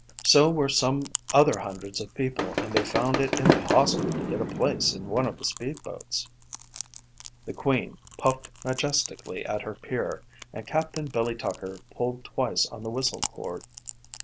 So were some other hundreds of people and they found it impossible to get a place in one of the speedboats. The Queen puffed majestically at her pier and Capt. Billy Tucker pulled twice on the whistle cord.